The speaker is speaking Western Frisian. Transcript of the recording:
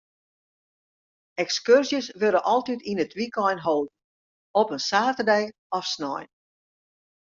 Ekskurzjes wurde altyd yn it wykein holden, op in saterdei of snein.